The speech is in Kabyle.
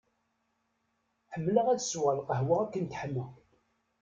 Ḥemmleɣ ad sweɣ lqahwa akken teḥma.